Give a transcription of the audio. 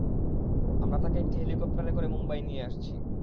আমরা তাকে একটি হেলিকপ্টারে করে মুম্বাই নিয়ে আসছি।